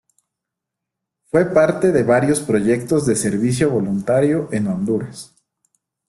Fue parte de varios proyectos de servicio voluntario en Honduras.